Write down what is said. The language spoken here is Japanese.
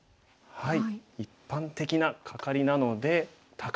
はい。